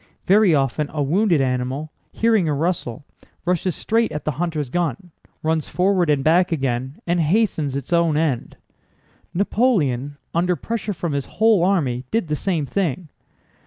Very often a wounded animal, hearing a rustle, rushes straight at the hunter's gun, runs forward and back again, and hastens its own end. Napoleon, under pressure from his whole army, did the same thing.